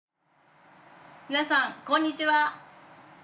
皆さんこんにちは。